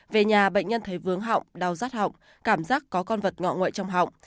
về nhà bệnh nhân thấy vướng họng đau rắt họng cảm giác có con vật ngọ ngợi trong họng